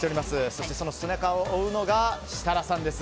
そして、その背中を追うのが設楽さんです。